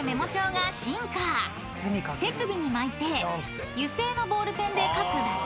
［手首に巻いて油性のボールペンで書くだけ］